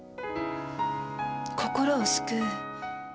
心を救う。